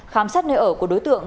khám sát nơi ở của đối tượng